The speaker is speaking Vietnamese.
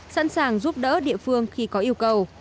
sẵn sàng giúp đỡ địa phương khi có yêu cầu